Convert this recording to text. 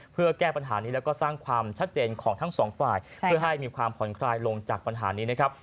เพื่อแก้ปัญหานี้แล้วก็สร้างความชัดเจนของทั้งสองฝ่ายเพื่อให้มีความผ่อนคลายลงจากปัญหานี้นะครับ